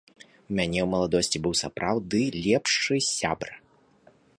У мяне ў маладосці быў сапраўды лепшы сябра.